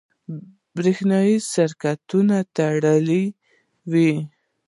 برېښنایي سرکټ تړلی وي.